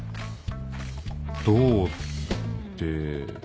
どうって。